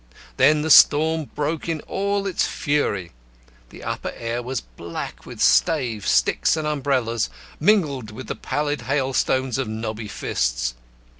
Then the storm broke in all its fury. The upper air was black with staves, sticks, and umbrellas, mingled with the pallid hailstones of knobby fists.